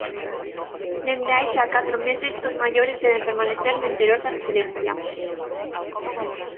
Dende hai xa catro meses, os maiores deben permanecer no interior da residencia.